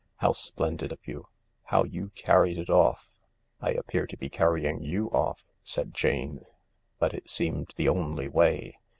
M How splendid of you I How you carried it off !"" I appear to be carrying you off," said Jane, " but it seemed the only way.